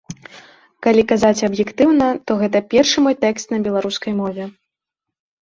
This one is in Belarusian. Калі казаць аб'ектыўна, то гэта першы мой тэкст на беларускай мове.